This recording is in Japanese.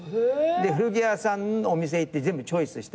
古着屋さんのお店行って全部チョイスしてそれを。